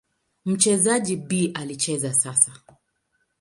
Mchezaji B anacheza sasa.